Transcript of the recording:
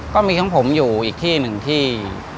ก็มีของผมอยู่อีกที่หนึ่งที่